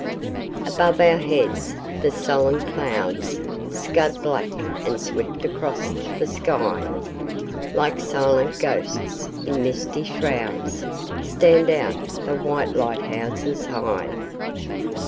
Above our heads the sullen clouds Scud black and swift across the sky: Like silent ghosts in misty shrouds Stand out the white lighthouses high.